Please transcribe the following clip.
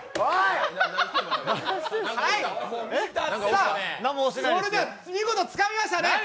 さあ、それでは見事つかみましたね。